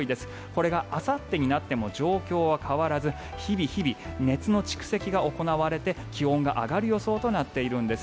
これがあさってになっても状況は変わらず日々日々、熱の蓄積が行われて気温が上がる予想となっているんです。